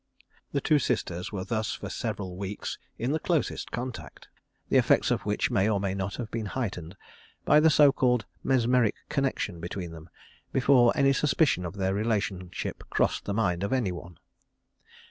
The two sisters were thus for several weeks in the closest contact, the effects of which may or may not have been heightened by the so called mesmeric connection between them, before any suspicion of their relationship crossed the mind of any one.